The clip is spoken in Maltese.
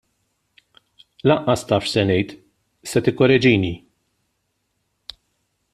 Lanqas taf x'se ngħid, se tikkoreġini!